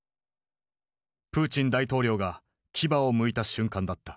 プーチン大統領が牙をむいた瞬間だった。